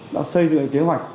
đã xây dựng kế hoạch